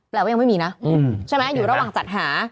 แปลว่ายังไม่มีนะใช่ไหมอยู่ระหว่างจัดหา